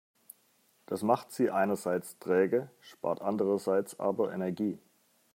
Das macht sie einerseits träge, spart andererseits aber Energie.